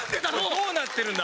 どうなってるんだ？